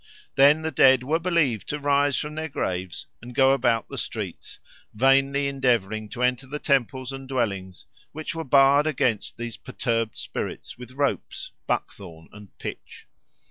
Then the dead were believed to rise from their graves and go about the streets, vainly endeavouring to enter the temples and dwellings, which were barred against these perturbed spirits with ropes, buckthorn, and pitch.